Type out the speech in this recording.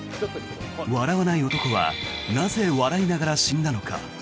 笑わない男はなぜ、笑いながら死んだのか？